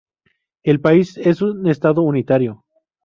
El país es un estado unitario.